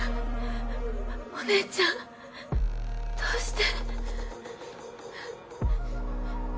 お姉ちゃんどうして。